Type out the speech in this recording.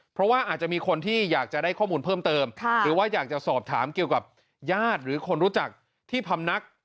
เพราะว่าอาจจะมีคนที่อยากจะได้ข้อมูลเพิ่มเติมหรือว่าอยากจะสอบถามเกี่ยวกับญาติหรือคนรู้จักที่พำนัก